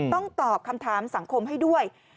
ต้องตอบคำถามสังคมให้ด้วย